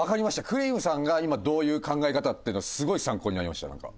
くりぃむさんが今どういう考え方っていうのがすごい参考になりましたなんか。